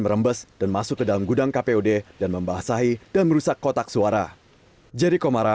mempercepatkan air hujan merembes dan masuk ke dalam gudang kpud dan membasahi dan merusak kotak suara